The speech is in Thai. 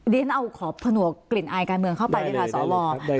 เรียนเอาขอผนวกกลิ่นอายการเมืองเข้าไปด้วยค่ะสว